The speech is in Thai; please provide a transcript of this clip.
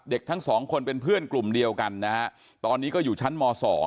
ทั้งสองคนเป็นเพื่อนกลุ่มเดียวกันนะฮะตอนนี้ก็อยู่ชั้นม๒